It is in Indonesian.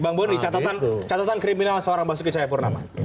bang boni catatan kriminal seorang basuki cahayapurnama